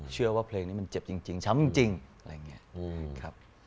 เชื่อว่าเพลงนี้มันเจ็บจริงช้ำจริงอะไรอย่างนี้ครับ